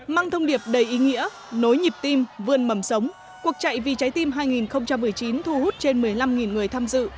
mang thông điệp đầy ý nghĩa nối nhịp tim vươn mầm sống cuộc chạy vì trái tim hai nghìn một mươi chín thu hút trên một mươi năm người tham dự